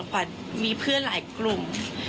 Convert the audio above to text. ขวัญมีเพื่อนหลายกลุ่ม